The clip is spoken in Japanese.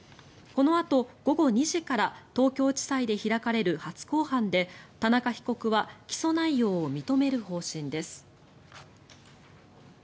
このあと午後２時から東京地裁で開かれる初公判で田中被告は起訴内容を認める方針です。